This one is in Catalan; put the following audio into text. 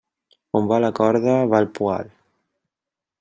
On va la corda, va el poal.